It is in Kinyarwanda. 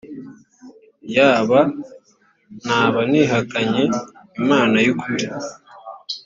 yb naba nihakanye imana y ukuri